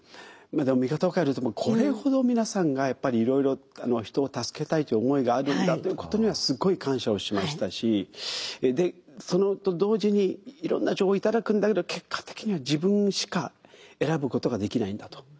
でも見方を変えるとこれほど皆さんがやっぱりいろいろ人を助けたいという思いがあるんだということにはすごい感謝をしましたしでそれと同時にいろんな情報を頂くんだけど結果的には自分しか選ぶことができないんだと。